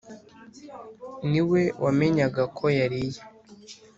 . Ni we wamenyaga ko yariye